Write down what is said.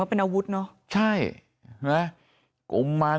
ไม่รู้ตอนไหนอะไรยังไงนะ